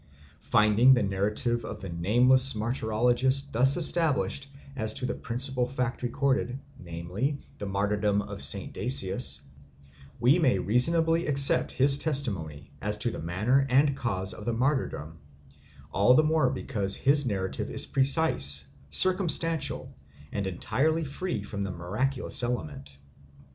Finding the narrative of the nameless martyrologist thus established as to the principal fact recorded, namely, the martyrdom of St. Dasius, we may reasonably accept his testimony as to the manner and cause of the martyrdom, all the more because his narrative is precise, circumstantial, and entirely free from the miraculous element.